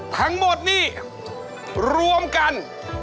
ทั้งหมดนี่รวมกัน